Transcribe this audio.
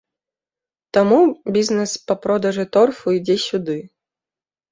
Таму бізнес па продажы торфу ідзе сюды.